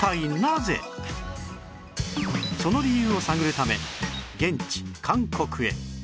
その理由を探るため現地韓国へ